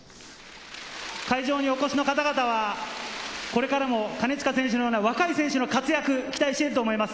会場にお越しの方々は、これからも金近選手のような、若い選手の活躍を期待していると思います。